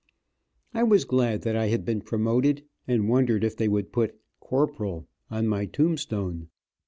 I was glad that I had been promoted, and wondered if they would put "Corporal" on my tombstone.